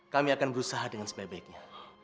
kami akan berusaha dengan sebaik baiknya